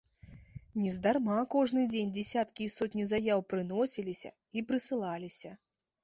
Нездарма кожны дзень дзесяткі і сотні заяў прыносіліся і прысылаліся.